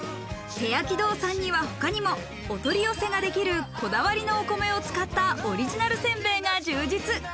手焼堂さんには他にもお取り寄せができる、こだわりのお米を使ったオリジナルせんべいが充実。